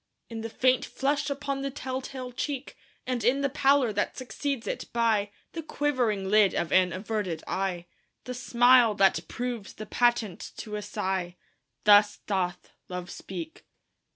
In the faint flush upon the tell tale cheek, And in the pallor that succeeds it; by The quivering lid of an averted eye The smile that proves the patent to a sigh Thus doth Love speak.